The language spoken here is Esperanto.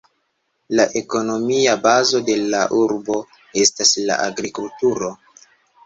La ekonomia bazo de la urbo estas la agrikulturo.